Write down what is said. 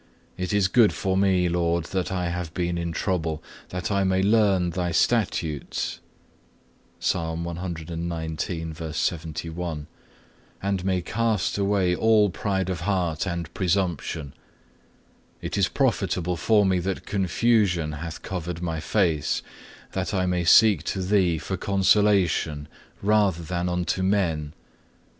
It is good for me, Lord, that I had been in trouble, that I may learn Thy statutes,(4) and may cast away all pride of heart and presumption. It is profitable for me that confusion hath covered my face, that I may seek to Thee for consolation rather than unto men.